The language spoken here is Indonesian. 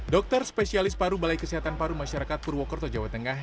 dokter spesialis paru balai kesehatan paru masyarakat purwokerto jawa tengah